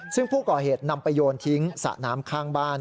ซึ่งผู้ก่อเหตุนำไปโยนทิ้งสระน้ำข้างบ้าน